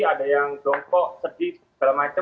ada yang jongkok sedih segala macam